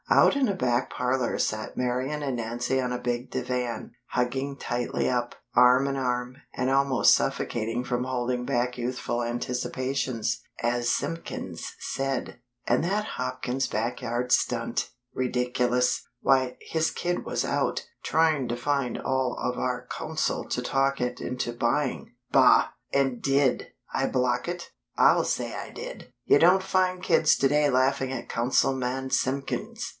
Out in a back parlor sat Marian and Nancy on a big divan, hugging tightly up, arm in arm, and almost suffocating from holding back youthful anticipations, as Simpkins said: "... and that Hopkins back yard stunt! Ridiculous! Why, his kid was out, trying to find all of our Council to talk it into buying. Bah! And did I block it? I'll say I did! You don't find kids today laughing at Councilman Simpkins."